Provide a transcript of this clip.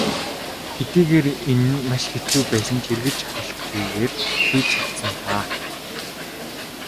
Хэдийгээр энэ нь маш хэцүү байсан ч эргэж харалгүйгээр хийж чадсан даа.